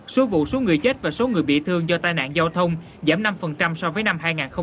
số vụ số người chết và số người bị thương do tai nạn giao thông giảm năm so với năm hai nghìn một mươi tám